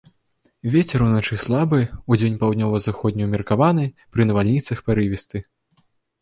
Вецер уначы слабы, удзень паўднёва-заходні умеркаваны, пры навальніцах парывісты.